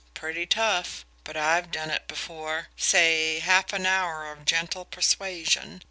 Pretty tough. But I've done it before. Say, half an hour of gentle persuasion.